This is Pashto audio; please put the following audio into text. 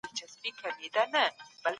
موږ به د پانګي تولید ته دوام ورکوو.